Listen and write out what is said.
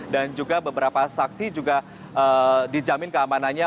dan juga beberapa saksi juga dijamin keamanannya